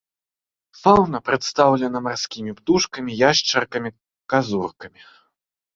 Фаўна прадстаўлена марскімі птушкамі, яшчаркамі, казуркамі.